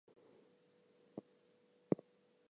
The image consists of the head of an axe.